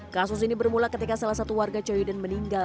kasus ini bermula ketika salah satu warga joydan meninggal